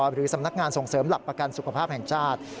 หรือสำนักงานส่งเสริมหลักประกันสุขภาพแห่งชาติ